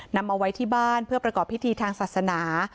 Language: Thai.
นำเอาไว้ที่บ้านเพื่อประกอบพิธีทางศาสนา